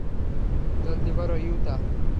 জলদি করো, ইউতা!